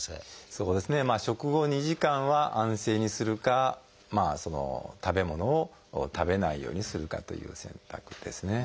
そうですね食後２時間は安静にするかその食べ物を食べないようにするかという選択ですね。